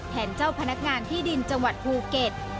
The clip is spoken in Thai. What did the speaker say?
เจ้าพนักงานที่ดินจังหวัดภูเก็ต